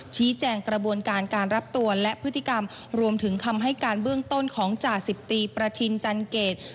ชี้แจงกระบวนการการรับตัวและพฤติกรรมรวมถึงคำให้การเบื้องต้นของจ่าสิบตีประทินจันเกต